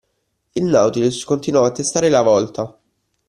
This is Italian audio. Il Nautilus continuava a tastare la vòlta.